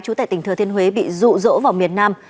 chú tại tỉnh thừa thiên huế bị rụ rỗ vào miền nam